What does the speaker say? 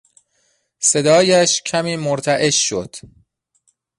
صدایش کمی مرتعش شد.